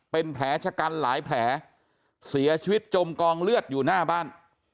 เป็นแผลชะกันหลายแผลเสียชีวิตจมกองเลือดอยู่หน้าบ้าน